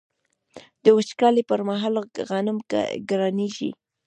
د وچکالۍ پر مهال غنم ګرانیږي.